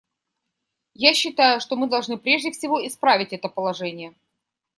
Я считаю, что мы должны прежде всего исправить это положение.